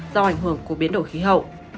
do ảnh hưởng của biến đổi khí hậu